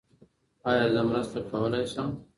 ایا زه مرسته کولي شم؟